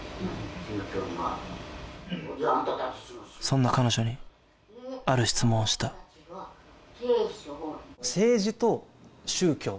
宗教にはそんな彼女にある質問をした政治と宗教